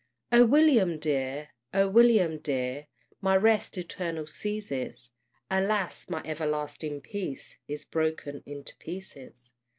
O William dear! O William dear! My rest eternal ceases; Alas! my everlasting peace Is broken into pieces.